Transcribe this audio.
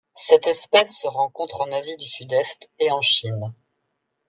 Cette espèce se rencontre en Asie du Sud-Est et en Chine.